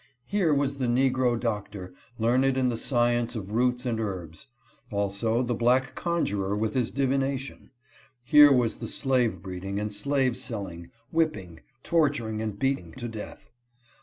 Here was the negro Doctor learned in the science of roots and herbs ; also the black conjurer with his divina tion. Here was slave breeding and slave selling, whipping, tortur ing and beating to death.